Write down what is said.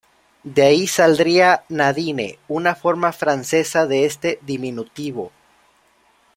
De ahí saldría "Nadine", una forma francesa de este diminutivo.